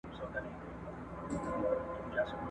د زړه زخمونه مي د اوښکو له ګرېوانه نه ځي !.